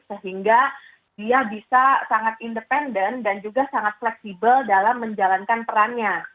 sehingga dia bisa sangat independen dan juga sangat fleksibel dalam menjalankan perannya